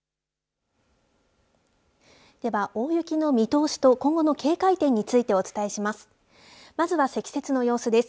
では、大雪の見通しと今後の警戒点についてお伝えします。